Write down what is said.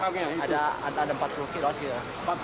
empat puluh yang masih kelihatan empat puluh pak